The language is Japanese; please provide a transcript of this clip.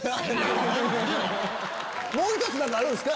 もう１つ何かあるんですか？